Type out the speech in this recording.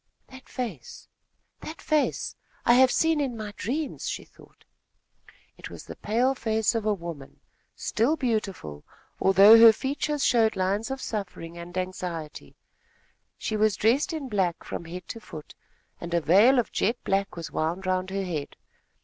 "That face that face! I have seen in my dreams!" she thought. It was the pale face of a woman, still beautiful, although her features showed lines of suffering and anxiety. She was dressed in black from head to foot, and a veil of jet black was wound round her head.